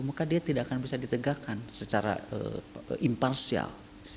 maka dia tidak akan bisa ditegakkan secara imparsial